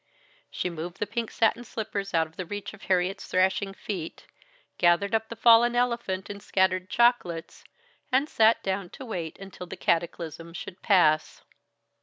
She moved the pink satin slippers out of reach of Harriet's thrashing feet, gathered up the fallen elephant and scattered chocolates, and sat down to wait until the cataclysm should pass.